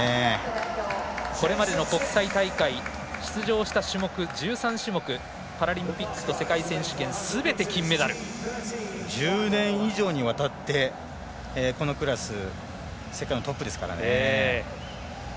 これまでの国際大会出場した種目１３種目パラリンピックと世界選手権１０年以上にわたってこのクラス世界のトップですから。